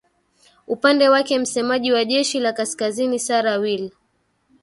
upande wake msemaji wa jeshi la kaskazini sara will